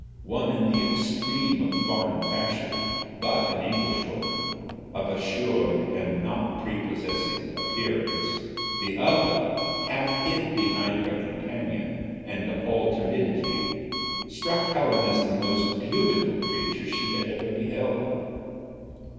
One in the extreme of foreign fashion, but an Englishwoman, of assured and not prepossessing appearance; the other, half hid behind her companion, and all timidity, struck Helen as the most beautiful creature she had ever beheld.